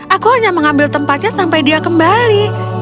aku hanya mengambil tempatnya sampai dia kembali